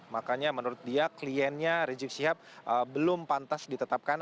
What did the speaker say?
makanya menurut dia kliennya rizik syihab belum pantas ditetapkan